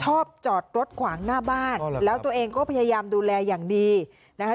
จอดรถขวางหน้าบ้านแล้วตัวเองก็พยายามดูแลอย่างดีนะคะ